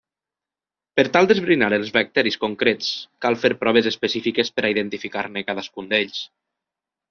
Per tal d'esbrinar els bacteris concrets cal fer proves específiques per a identificar-ne cadascun d'ells.